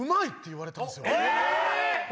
え！